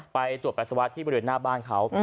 ไปตรวจปัสสาวะที่บริเวณหน้าบ้านเขา